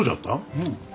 うん。